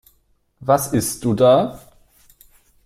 Was isst du da?